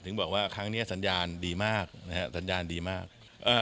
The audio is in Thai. ถึงบอกว่าครั้งนี้สัญญาณดีมากนะฮะสัญญาณดีมาก